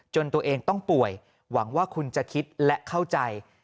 ตัวเองต้องป่วยหวังว่าคุณจะคิดและเข้าใจ